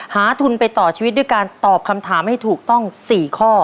ทุนไปต่อชีวิตด้วยการตอบคำถามให้ถูกต้อง๔ข้อ